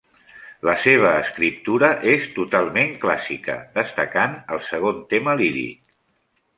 La seva escriptura és totalment clàssica destacant el segon tema líric.